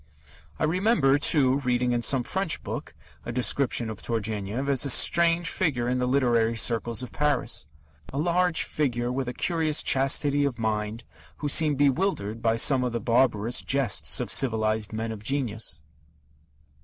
I remember, too, reading in some French book a description of Turgenev as a strange figure in the literary circles of Paris a large figure with a curious chastity of mind who seemed bewildered by some of the barbarous jests of civilized men of genius.